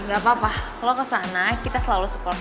gak apa apa lo kesana kita selalu sekolah